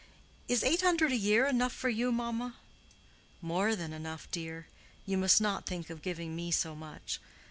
Is eight hundred a year enough for you, mamma?" "More than enough, dear. You must not think of giving me so much."